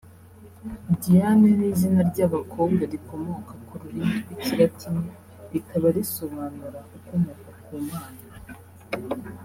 Diane ni izina ry’abakobwa rikomoka ku rurimi rw’Ikilatini rikaba risobanura “ukomoka ku Mana”